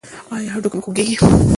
ایا هډوکي مو خوږیږي؟